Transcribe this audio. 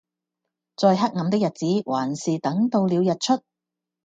再黑暗的日子還是等到了日出